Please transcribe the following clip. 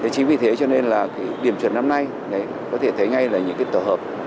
chính vì thế cho nên là cái điểm chuẩn năm nay có thể thấy ngay là những cái tổ hợp